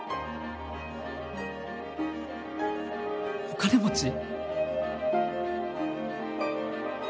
お金持ち？